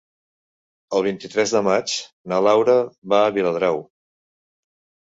El vint-i-tres de maig na Laura va a Viladrau.